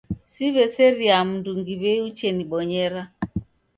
Siw'eseriaa mndungi w'ei uchenibonyera.